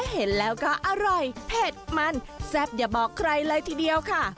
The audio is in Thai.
เห็นแล้วก็อร่อยเผ็ดมันแซ่บอย่าบอกใครเลยทีเดียวค่ะ